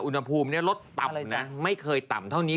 อุณหภูมิลดต่ำนะไม่เคยต่ำเท่านี้